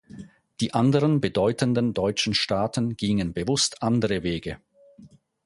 Die anderen bedeutenden deutschen Staaten gingen bewusst andere Wege.